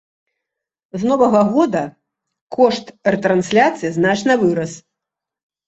З новага года кошт рэтрансляцыі значна вырас.